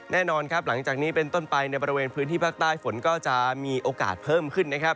แน่นอนครับหลังจากนี้เป็นต้นไปในบริเวณพื้นที่ภาคใต้ฝนก็จะมีโอกาสเพิ่มขึ้นนะครับ